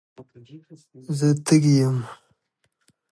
زه تږي یم.